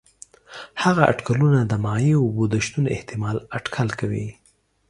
هغه اټکلونه د مایع اوبو د شتون احتمال اټکل کوي.